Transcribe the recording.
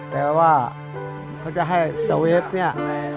แต่ว่าเขาจะให้เจ้าเวฟเนี่ย